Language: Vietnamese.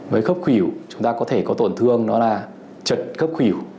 với khớp khủy hữu chúng ta có thể có tổn thương đó là chật khớp khủy hữu